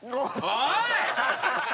おい！